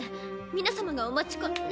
皆様がお待ちかね。